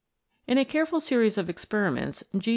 In a careful series of experiments, G.